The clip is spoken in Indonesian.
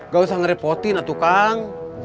gak usah ngerepotin atuh kan